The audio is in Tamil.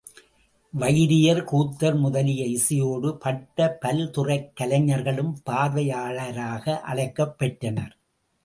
வயிரியர், கூத்தர் முதலிய இசையோடு பட்ட பல் துறைக் கலைஞர்களும் பார்வையாளராக அழைக்கப் பெற்றனர்.